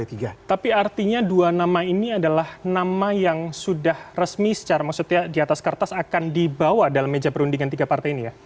tapi artinya dua nama ini adalah nama yang sudah resmi secara maksudnya di atas kertas akan dibawa dalam meja perundingan tiga partai ini ya